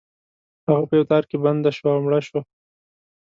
هغه په یو تار کې بنده شوه او مړه شوه.